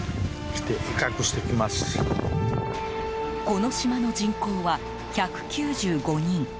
この島の人口は１９５人。